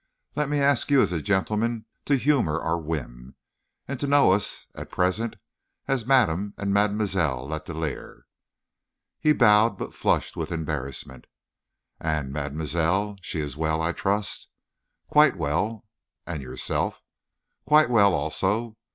Let me ask you as a gentleman to humor our whim, and to know us at present as Madame and Mademoiselle Letellier." He bowed, but flushed with embarrassment. "And mademoiselle? She is well, I trust?" "Quite well." "And yourself?" "Quite well, also.